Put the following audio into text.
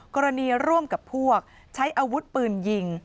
กรณีร่วมกับพวกใช้อาวุธปืนยิง